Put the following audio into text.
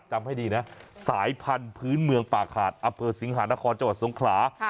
จำให้ดีนะสายพันธุ์พื้นเมืองป่าขาดอศิงหานครจสงขาห์